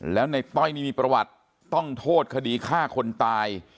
แล้วในต้อยนี่มีประวัติต้องโทษคดีฆ่าคนตาย